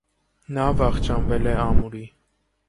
Նա վախճանվել է ամուրի։